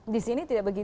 di sini tidak begitu